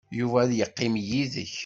Yuba ad yeqqim yid-k.